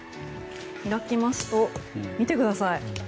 開きますと見てください。